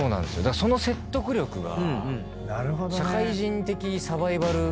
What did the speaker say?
その説得力が。